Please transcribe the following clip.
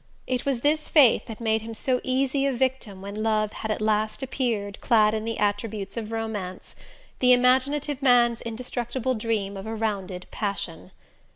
It was this faith that made him so easy a victim when love had at last appeared clad in the attributes of romance: the imaginative man's indestructible dream of a rounded passion.